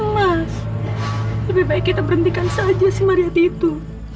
mas lebih baik kita berhentikan saja si marioti itu